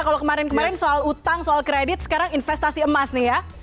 kalau kemarin kemarin soal utang soal kredit sekarang investasi emas nih ya